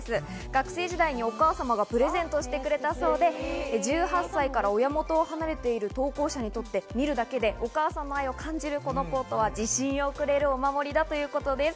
学生時代にお母様がプレゼントしてくれたそうで、１８歳から親元を離れている投稿者にとって、見るだけでお母さんの愛を感じる、このコートは、自信をくれるお守りだということです。